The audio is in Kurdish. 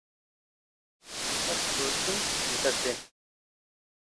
Ev kostûm li te tê.